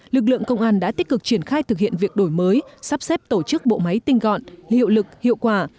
lực lượng công an đã tích cực triển khai thực hiện việc đổi mới sắp xếp tổ chức bộ máy tinh gọn hiệu lực hiệu quả